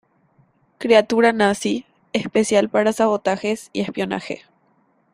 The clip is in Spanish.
Criatura nazi especial para sabotajes y espionaje.